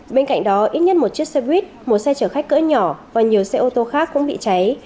bên cạnh đó ít nhất một chiếc xe buýt một xe chở khách cỡ nhỏ và nhiều xe ô tô khác cũng bị cháy